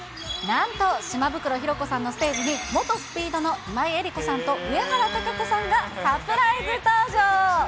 なんと、島袋寛子さんのステージに、元ＳＰＥＥＤの今井絵理子さんと上原多香子さんがサプライズ登場。